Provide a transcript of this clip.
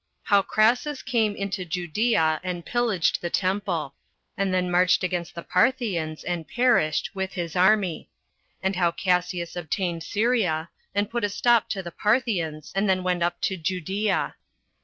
How Crassus Came Into Judea, And Pillaged The Temple; And Then Marched Against The Parthians And Perished, With His Army. Also How Cassius Obtained Syria, And Put A Stop To The Parthians And Then Went Up To Judea.